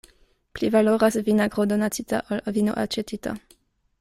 Pli valoras vinagro donacita, ol vino aĉetita.